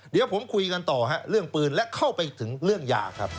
เดี๋ยวผมคุยกันต่อฮะเรื่องปืนและเข้าไปถึงเรื่องยาครับ